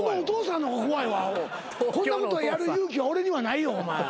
こんなことをやる勇気は俺にはないよお前。